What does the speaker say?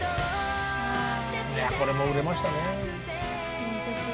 これも売れましたね。